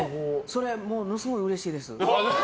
ものすごいうれしいです。